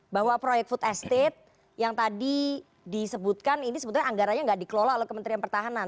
bahwa proyek food estate yang tadi disebutkan ini sebetulnya anggaranya nggak dikelola oleh kementerian pertahanan